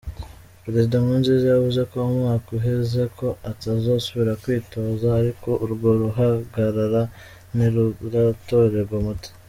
Perezida Nkurunziza yavuze mu mwaka uheze ko atazosubira kwitoza ariko urwo ruhagarara ntiruratoregwa umuti.